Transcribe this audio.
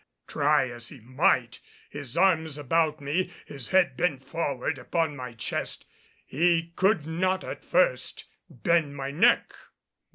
Try as he might, his arms about me, his head bent forward upon my chest, he could not at first bend my neck.